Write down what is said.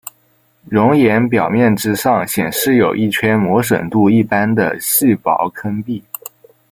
熔岩表面之上显示有一圈磨损度一般的细薄坑壁。